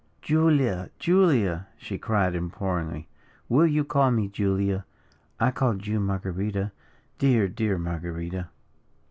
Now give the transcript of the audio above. "Julia! Julia!" she cried, imploringly, "will you call me Julia? I called you Marguerita, dear, dear Marguerita."